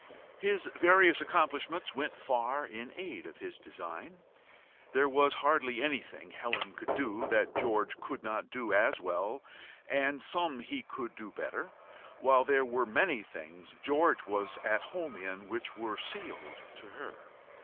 His various accomplishments went far in aid of his design. There was hardly anything Helen could do that George could not do as well, and some he could do better, while there were many things George was at home in which were sealed to her.